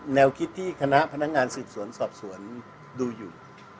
แนวคิดที่คณะพนักงานสืบสวนสอบสวนดูอยู่